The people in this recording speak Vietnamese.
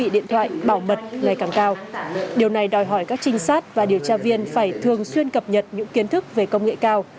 điều này đòi hỏi các trinh sát và điều tra viên phải thường xuyên cập nhật những kiến thức về công nghệ cao